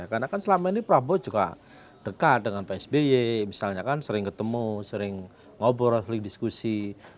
karena kan selama ini prabowo juga dekat dengan psby misalnya kan sering ketemu sering ngobrol sering diskusi